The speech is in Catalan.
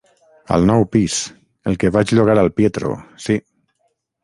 Al nou pis, el que vaig llogar al Pietro, sí.